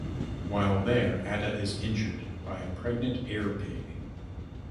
While there Adda is injured by a pregnant air pig.